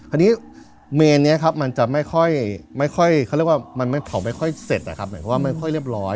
อันนี้เมนเนี่ยครับมันจะไม่ค่อยเขาเรียกว่ามันเผาไม่ค่อยเสร็จไม่ค่อยเรียบร้อย